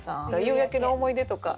夕焼けの思い出とか。